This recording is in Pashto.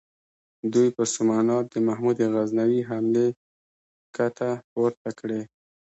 دوی په سومنات د محمود غزنوي حملې کته پورته کړې.